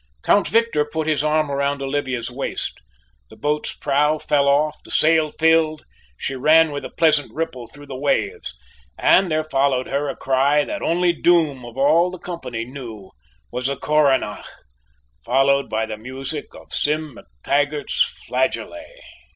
Count Victor put his arm round Olivia's waist. The boat's prow fell off; the sail filled; she ran with a pleasant ripple through the waves, and there followed her a cry that only Doom of all the company knew was a coronach, followed by the music of Sim MacTaggart's flageolet.